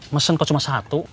mesin kok cuma satu